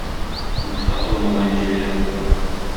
Башта олы малайны җибәрә бу.